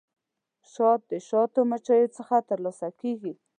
شات د شاتو مچیو څخه ترلاسه کیږي